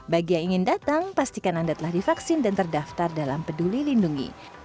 bagi yang ingin datang pastikan anda telah divaksin dan terdaftar dalam peduli lindungi